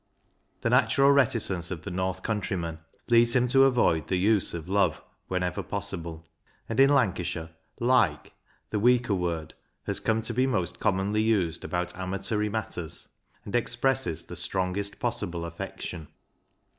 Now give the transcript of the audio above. The natural reticence of the North country man leads him to avoid the use of " love " whenever possible ; and in Lancashire, " loike," the weaker word, has come to be most commonly used about amatory matters, and expresses the strongest possible affection.